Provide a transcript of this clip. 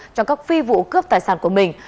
trong các phi vụ cướp tài sản của mình